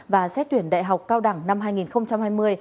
và xét tuyển đại học cao đẳng năm hai nghìn hai mươi